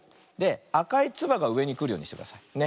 あかいつばがうえにくるようにしてください。ね。